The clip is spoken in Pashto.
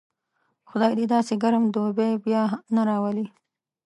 خدای دې داسې ګرم دوبی بیا نه راولي.